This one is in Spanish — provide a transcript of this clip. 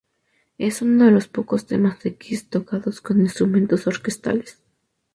Es uno de los pocos temas de Kiss tocados con instrumentos orquestales.